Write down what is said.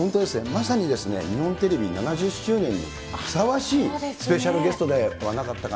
まさにですね、日本テレビ７０周年にふさわしいスペシャルゲストではなかったか